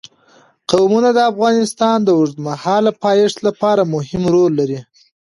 قومونه د افغانستان د اوږدمهاله پایښت لپاره مهم رول لري.